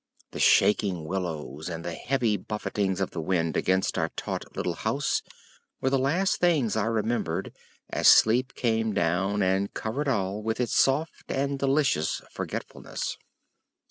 The shaking willows and the heavy buffetings of the wind against our taut little house were the last things I remembered as sleep came down and covered all with its soft and delicious forgetfulness.